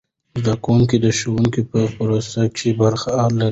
زده کوونکي د ښوونې په پروسې کې برخه لري.